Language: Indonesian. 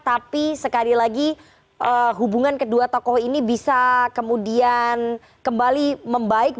tapi sekali lagi hubungan kedua tokoh ini bisa kemudian kembali membaik